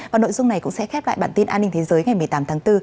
và nội dung này cũng sẽ khép lại bản tin an ninh thế giới ngày một mươi tám tháng bốn